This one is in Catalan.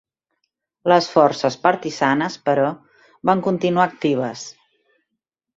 Les forces partisanes, però, van continuar actives.